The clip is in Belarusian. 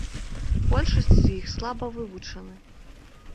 Большасць з іх слаба вывучаны.